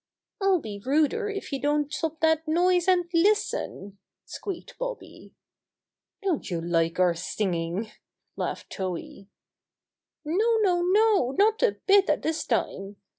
"ril be ruder if you don't stop that noise and listen!" squeaked Bobby. "Don't you like our singing?" laughed Towhee. "No! No I Not a bit at this time!